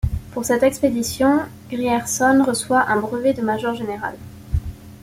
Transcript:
Pour cette expédition, Grierson reçoit un brevet de major général.